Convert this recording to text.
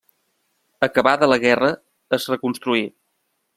Acabada la guerra, es reconstruí.